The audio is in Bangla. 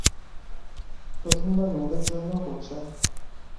প্রথমবার মেয়েদের জন্যও করছে!